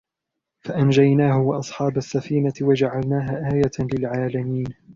فَأَنْجَيْنَاهُ وَأَصْحَابَ السَّفِينَةِ وَجَعَلْنَاهَا آيَةً لِلْعَالَمِينَ